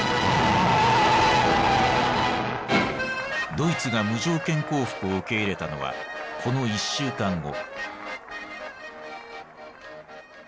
ドイツが無条件降伏を受け入れたのはこの１週間後。